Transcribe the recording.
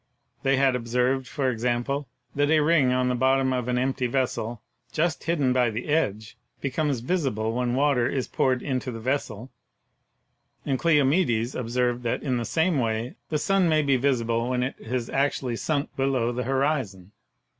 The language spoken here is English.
They had observed, for example, that a ring on the bot tom of an empty vessel, just hidden by the edge, becomes visible when water is poured into the vessel, and Cleo mides observed that in the same way the sun may be visible when it has actually sunk below the horizon.